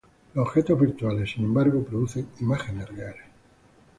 Los objetos virtuales sin embargo producen imágenes reales.